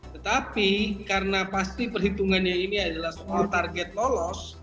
tetapi karena pasti perhitungannya ini adalah soal target lolos